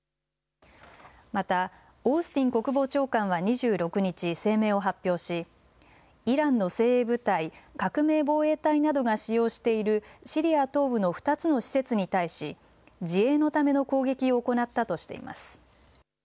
また、オースティン国防長官は２６日声明を発表しイランの精鋭部隊革命防衛隊などが使用しているシリア東部の２つの施設に対し自衛のための攻撃を行ったとしています。